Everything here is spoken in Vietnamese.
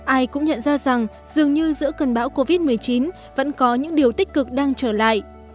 ai cũng nhận ra rằng dường như giữa cơn bão covid một mươi chín vẫn có những điều tích cực đang trở lại